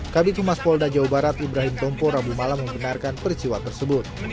kb tumas polda jawa barat ibrahim tompo rabu malam membenarkan peristiwa tersebut